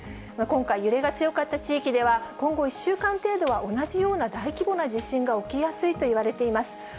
今回、揺れが強かった地域では、今後１週間程度は、同じような大規模な地震が起きやすいといわれています。